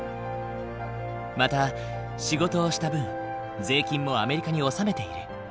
また仕事をした分税金もアメリカに納めている。